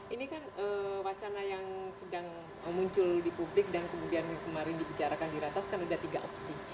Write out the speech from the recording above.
ini kan wacana yang sedang muncul di publik dan kemudian kemarin dibicarakan di ratas kan ada tiga opsi